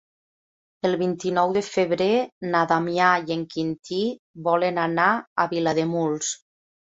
El vint-i-nou de febrer na Damià i en Quintí volen anar a Vilademuls.